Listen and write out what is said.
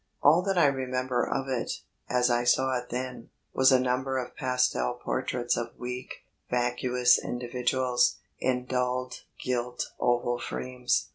All that I remember of it, as I saw it then, was a number of pastel portraits of weak, vacuous individuals, in dulled, gilt, oval frames.